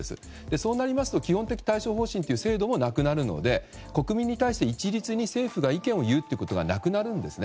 そうなりますと基本的対処方針という制度もなくなるので国民に対して一律に政府が意見を言うことはなくなるんですね。